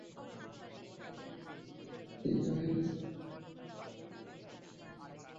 তুষার যুগে পৃথিবী থেকে নিশ্চিহ্ন হয়ে গেছে বহু প্রাণী, এমনকি অতিকায় ডাইনোসর।